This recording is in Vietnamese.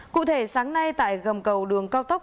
cụ thể sáng nay tại gầm cầu đường cao tốc